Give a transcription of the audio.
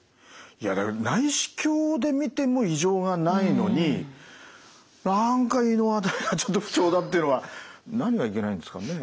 内視鏡で見ても異常がないのに何か胃の辺りがちょっと不調だっていうのは何がいけないんですかね？